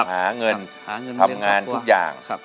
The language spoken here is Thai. หาเงินทำงานทุกอย่าง